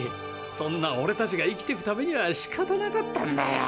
そんなオレたちが生きてくためにはしかたなかったんだよ。